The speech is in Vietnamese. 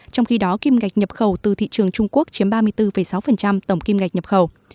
trong khi đó kim ngạch nhập khẩu từ thị trường trung quốc chiếm ba mươi bốn sáu tổng kim ngạch nhập khẩu